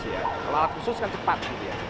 kalau alat khusus kan cepat